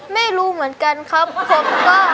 ไม่รู้เหมือนกันครับ